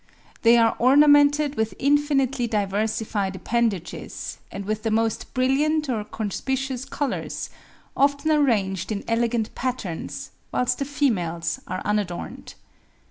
They are ornamented with infinitely diversified appendages, and with the most brilliant or conspicuous colours, often arranged in elegant patterns, whilst the females are unadorned.